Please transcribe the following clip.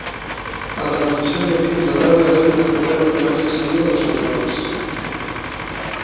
A transmisión do virus da rabia adoita ocorrer a través da saliva de animais.